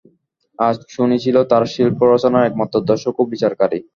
আজ চুনি ছিল তাঁর শিল্পরচনার একমাত্র দর্শক ও বিচারকারী।